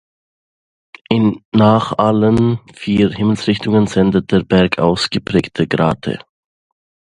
Nach allen vier Himmelsrichtungen sendet der Berg ausgeprägte Grate.